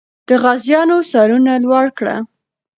د غازیانو سرونه لوړ کړه.